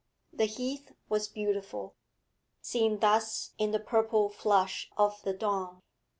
The Heath was beautiful, seen thus in the purple flush of the dawn.